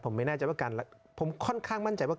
ผมไม่แน่ใจว่าการผมค่อนข้างมั่นใจว่า